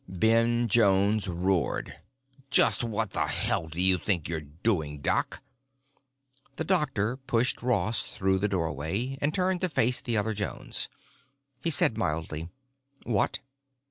Ben Jones roared, "Just what the hell do you think you're doing, Doc?" The doctor pushed Ross through the doorway and turned to face the other Jones. He asked mildly, "What?"